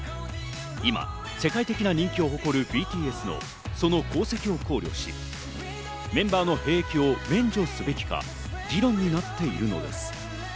今、世界的な人気を誇るＢＴＳのその功績を考慮し、メンバーの兵役を免除すべきか議論になっているのです。